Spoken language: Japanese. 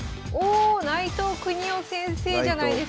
お内藤國雄先生じゃないですか！